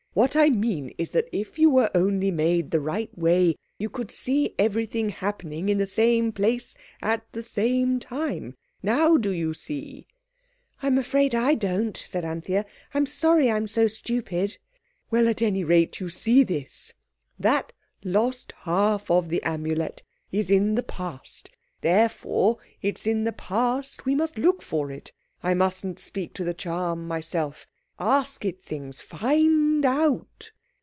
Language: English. What I mean is that if you were only made the right way, you could see everything happening in the same place at the same time. Now do you see?" "I'm afraid I don't," said Anthea; "I'm sorry I'm so stupid." "Well, at any rate, you see this. That lost half of the Amulet is in the Past. Therefore it's in the Past we must look for it. I mustn't speak to the charm myself. Ask it things! Find out!"